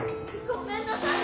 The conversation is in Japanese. ・・ごめんなさい！